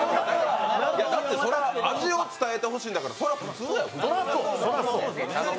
味を伝えてほしいんだからそれは普通だよ。